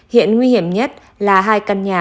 hiện nguy hiểm nhất là hai căn nhà